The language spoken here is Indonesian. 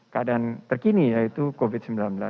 keadaan terkini yaitu covid sembilan belas